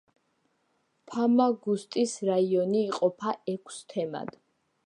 ფამაგუსტის რაიონი იყოფა ექვს თემად.